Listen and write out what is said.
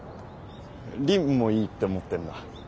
凜もいいって思ってんだ。